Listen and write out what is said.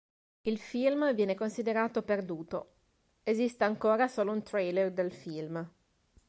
Il film viene considerato perduto; esiste ancora solo un trailer del film.